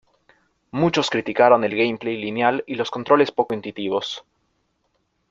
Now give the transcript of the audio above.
Muchos criticaron el gameplay lineal y los controles poco intuitivos.